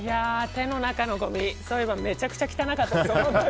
手の中のごみ、そういうのめちゃくちゃ汚かったです。